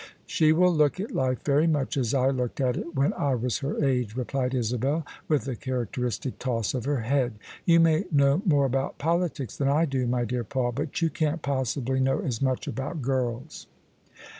" She will look at life very much as I looked at it when I was her age," replied Isabel, with a characteristic toss of her head. " You may know more about politics than I do, my dear Paul, but you can't possibly know as much about girls."